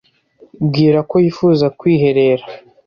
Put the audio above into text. Bwira ko wifuza kwiherera.